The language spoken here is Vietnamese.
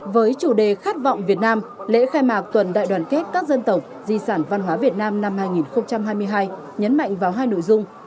với chủ đề khát vọng việt nam lễ khai mạc tuần đại đoàn kết các dân tộc di sản văn hóa việt nam năm hai nghìn hai mươi hai nhấn mạnh vào hai nội dung